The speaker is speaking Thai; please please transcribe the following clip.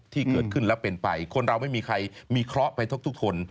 ที่เกิดขึ้นแล้วเป็นไปคนเราไม่มีใครมีเคราะห์ไปทุกคน